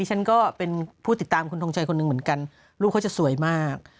ฉันก็เป็นผู้ติดตามคุณทงชัยคนหนึ่งเหมือนกันลูกเขาจะสวยมาก